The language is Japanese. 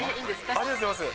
ありがとうございます。